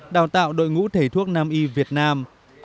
đào tạo đội ngũ thầy thuốc nam y việt nam